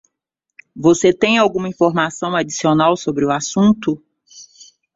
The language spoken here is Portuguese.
Você tem alguma informação adicional sobre o assunto?